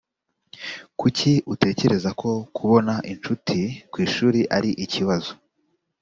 kuki utekereza ko kubona incuti ku ishuri ari ikibazo